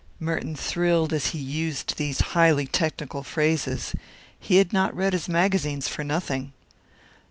Merton thrilled as he used these highly technical phrases. He had not read his magazines for nothing.